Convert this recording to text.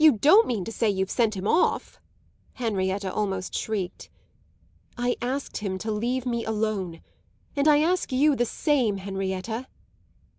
"You don't mean to say you've sent him off?" Henrietta almost shrieked. "I asked him to leave me alone; and I ask you the same, Henrietta."